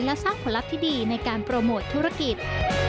และสร้างผลลัพธ์ที่ดีในการโปรโมทธุรกิจ